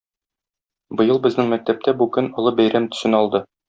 Быел безнең мәктәптә бу көн олы бәйрәм төсен алды.